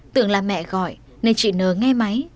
tưởng là mẹ gọi nên chị nờ nghe máy